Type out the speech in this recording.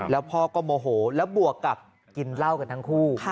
แล้วพ่อก็โมโหแล้วบวกกับกินเหล้ากันทั้งคู่